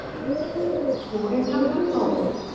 bố em lắp bắp hỏi